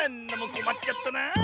こまっちゃったなあ。